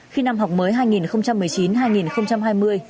khi năm học mới